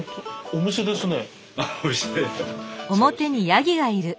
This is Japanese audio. お店そうですね。